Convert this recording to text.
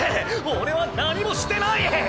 俺は何もしてない！